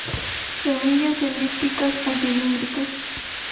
Semillas elípticas a cilíndricas.